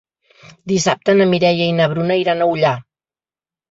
Dissabte na Mireia i na Bruna iran a Ullà.